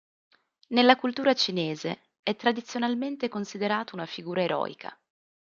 Nella cultura cinese è tradizionalmente considerato una figura eroica.